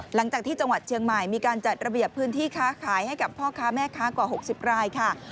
หลังจากที่จังหวัดเชียงใหม่มีการจัดระเบียบพื้นที่ค้าขายให้กับพ่อค้าแม่ค้ากว่า๖๐รายค่ะ